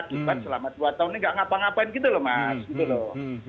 akibat akibat selama dua tahun ini nggak ngapa ngapain gitu loh mas